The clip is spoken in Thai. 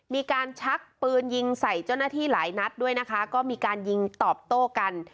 มีการชักปืนยิงใส่เจ้าหน้าที่หลายนัดด้วยนะคะก็มีการยิงตอบโต้กัน